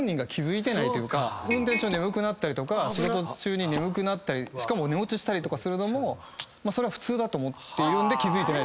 運転中眠くなったりとか仕事中に眠くなったりしかも寝落ちしたりとかするのもそれは普通だと思っているので気付いてない。